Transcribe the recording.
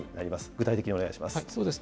具体的にお願いします。